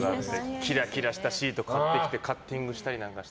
キラキラしたシート買ってきてカッティングしたりとかして。